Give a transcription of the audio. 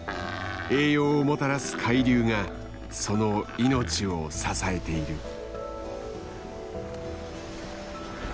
栄養をもたらす海流がその命を支えている。